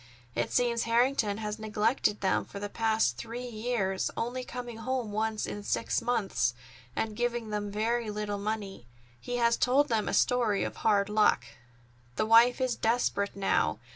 It seems Harrington has neglected them for the past three years, only coming home once in six months, and giving them very little money. He has told them a story of hard luck. "The wife is desperate now.